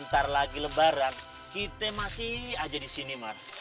ntar lagi lebaran kita masih aja di sini mas